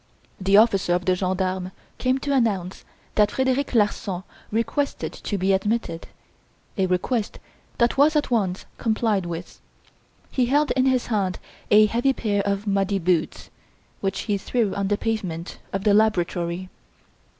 The officer of the gendarmes came to announce that Frederic Larsan requested to be admitted, a request that was at once complied with. He held in his hand a heavy pair of muddy boots, which he threw on the pavement of the laboratory.